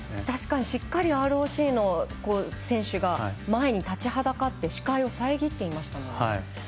確かにしっかりＲＯＣの選手が前に立ちはだかって視界を遮っていましたね。